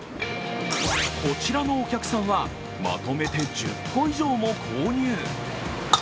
こちらのお客さんはまとめて１０個以上も購入。